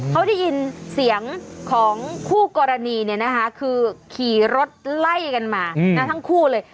เขาได้ยินเสียงของคู่กรณีคือขี่รถไล่กันมาทั้งคู่เลย